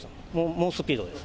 猛スピードです。